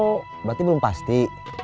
berarti belum pasti